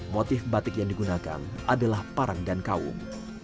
motif batik yang digunakan adalah parang dan kaum